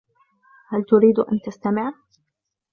هل تريد أن تستمع ؟